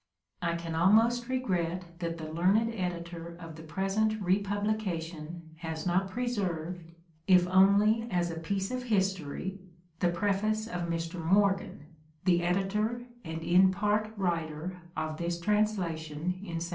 I can almost regret that the learned editor of the present republication has not preserved, if only as a piece of history, the preface of Mr. Morgan, the editor and in part writer of this Translation of 1718.